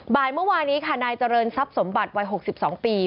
เมื่อวานี้ค่ะนายเจริญทรัพย์สมบัติวัย๖๒ปี